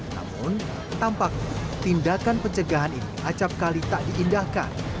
namun tampaknya tindakan pencegahan ini acapkali tak diindahkan